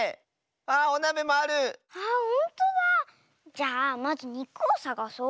じゃあまずにくをさがそう。